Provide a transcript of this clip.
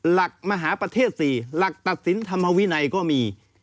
หลักมหาประเทศ๔หลักตัดสินธรรมวินัยก็มี